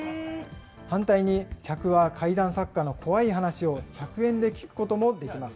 反対に、客は怪談作家の怖い話を１００円で聞くこともできます。